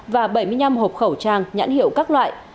và bảy mươi năm hộp khẩu trang nhãn hiệu các loại